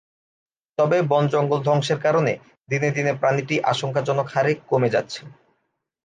তবে বন-জঙ্গল ধ্বংসের কারণে দিনে দিনে প্রাণীটি আশঙ্কাজনক হারে কমে যাচ্ছে।